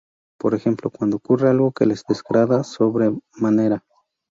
Por ejemplo, cuando ocurre algo que les desagrada sobremanera.